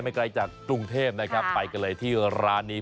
ไกลจากกรุงเทพนะครับไปกันเลยที่ร้านนี้